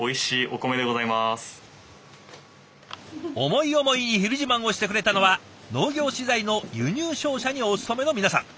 思い思いに「ひる自慢」をしてくれたのは農業資材の輸入商社にお勤めの皆さん。